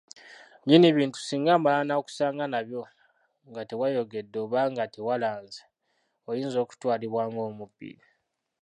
Nnyini bintu singa amala n’akusanga nabyo nga tewayogedde oba nga tewalanze, oyinza okutwalibwa ng’omubbi.